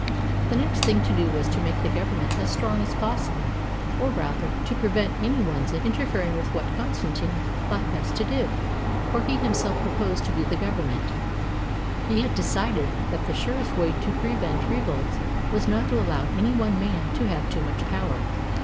The next thing to do was to make the government as strong as possible, or rather, to prevent any one's inter fering with what Constantine thought best to do, for he himself proposed to be the government. He had de cided that the surest way to prevent revolts was not to allow any one man to have too much power.